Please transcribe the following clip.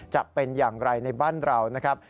จะเป็นอย่างไรในบ้านเรานะครับ